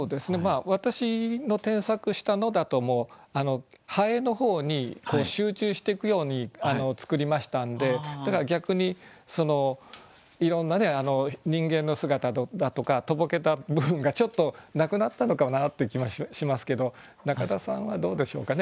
私の添削したのだともう蠅の方に集中していくように作りましたんでだから逆にいろんな人間の姿だとかとぼけた部分がちょっとなくなったのかなという気もしますけど中田さんはどうでしょうかね